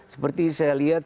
seperti saya lihat